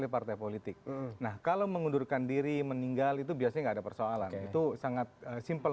politik nah kalau mengundurkan diri meninggal itu biasanya ada persoalan itu sangat simple